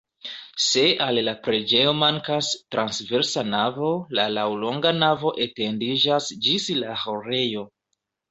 Se al la preĝejo mankas transversa navo, la laŭlonga navo etendiĝas ĝis la ĥorejo.